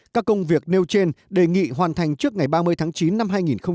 các công việc nêu trên đề nghị hoàn thành trước ngày ba mươi tháng chín năm hai nghìn hai mươi